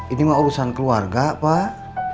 ini mah urusan keluarga pak